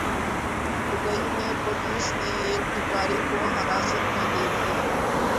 Dubai میں police نے ایک بھکاری کو حراست میں لے لیا